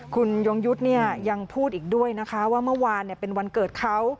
คุณยงยุทธ์ยังพูดอีกด้วยนะคะว่าเมื่อวานเป็นวันเกิดเขา